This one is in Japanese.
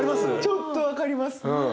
ちょっと分かります。